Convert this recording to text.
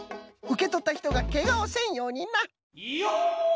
うけとったひとがけがをせんようにな！